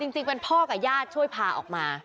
จริงเป็นพ่อกับญาติช่วยพาออกมา